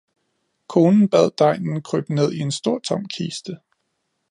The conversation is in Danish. Konen bad degnen krybe ned i en stor tom kiste.